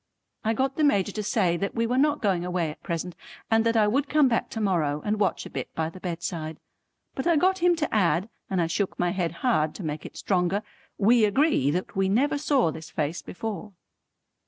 I got the Major to say that we were not going away at present and that I would come back to morrow and watch a bit by the bedside. But I got him to add and I shook my head hard to make it stronger "We agree that we never saw this face before."